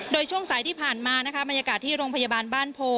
โดยช่วงสายที่ผ่านมานะคะบรรยากาศที่โรงพยาบาลบ้านโพ